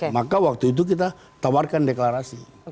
maka waktu itu kita tawarkan deklarasi